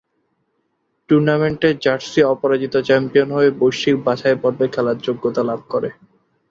টুর্নামেন্টে জার্সি অপরাজিত চ্যাম্পিয়ন হয়ে বৈশ্বিক বাছাইপর্বে খেলার যোগ্যতা লাভ করে।